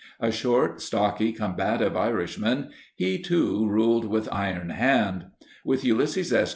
A short, stocky, combative Irishman, he, too, ruled with iron hand. With Ulysses S.